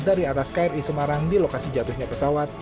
dari atas kri semarang di lokasi jatuhnya pesawat